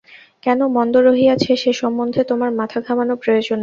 কেন মন্দ রহিয়াছে, সে-সম্বন্ধে তোমার মাথা-ঘামানো প্রয়োজন নাই।